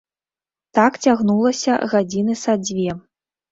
Так цягнулася гадзіны са дзве.